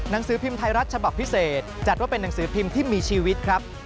หนังสือพิมพ์ไทยรัฐฉบับพิเศษจัดว่าเป็นหนังสือพิมพ์ที่มีชีวิตครับ